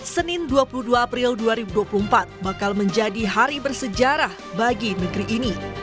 senin dua puluh dua april dua ribu dua puluh empat bakal menjadi hari bersejarah bagi negeri ini